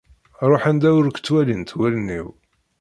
Ruḥ anda ur k-ttwalint wallen-iw!